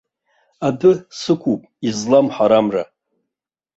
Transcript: Адәы сықәуп излам ҳарамра.